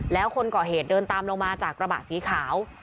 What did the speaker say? แล้วคนก่อเหตุเดินตามลงมาจากกระบะสีขาว